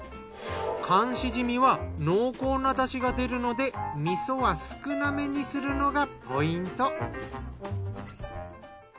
寒シジミは濃厚なだしが出るので味噌は少なめにするのがポイント。